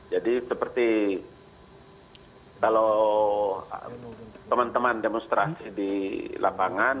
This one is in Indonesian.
jadi seperti kalau teman teman demonstrasi di lapangan